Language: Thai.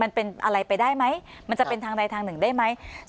มันเป็นอะไรของมันเป็นทางใดทางหนึ่งของมันได้ไหม